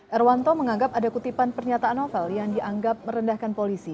erwanto menganggap ada kutipan pernyataan novel yang dianggap merendahkan polisi